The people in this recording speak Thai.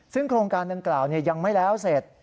ซึ่งโครงการดังกล่าวยังไม่แล้วเสร็จ